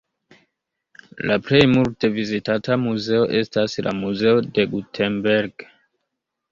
La plej multe vizitata muzeo estas la Muzeo de Gutenberg.